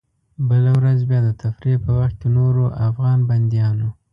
بله ورځ بیا د تفریح په وخت کې نورو افغان بندیانو.